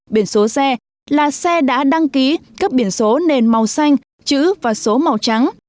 biển số xe là xe đã đăng ký cấp biển số nền màu xanh chữ và số màu trắng